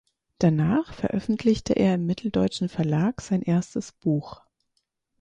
Danach veröffentlichte er im Mitteldeutschen Verlag sein erstes Buch.